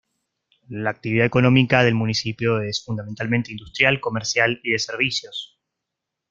La actividad económica del municipio es fundamentalmente industrial, comercial y de servicios.